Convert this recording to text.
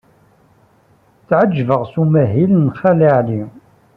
Tɛejjbeɣ s umahil n Xali Ɛli.